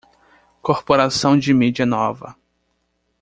Corporação de mídia nova